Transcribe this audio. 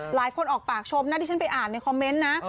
หลายคนออกปากชมนะที่ฉันไปอ่านในคอมเมนต์นะ